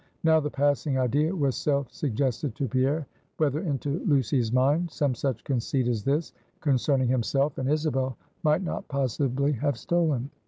Now, the passing idea was self suggested to Pierre, whether into Lucy's mind some such conceit as this, concerning himself and Isabel, might not possibly have stolen.